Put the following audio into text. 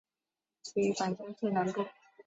位于板桥区南部。